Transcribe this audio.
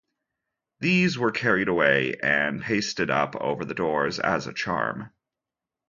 These were carried away and pasted up over the doors as a charm.